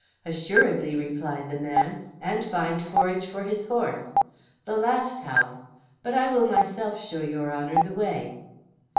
"Assuredly," replied the man, "and find forage for his horse. The last house but I will myself show your Honour the way."